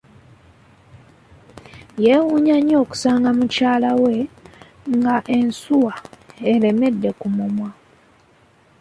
Yewuunya nnyo okusanga mukyala we nga ensuwa eremedde ku mumwa.